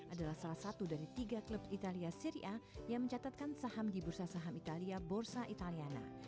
adalah salah satu dari tiga klub italia syria yang mencatatkan saham di bursa saham italia borsa italiana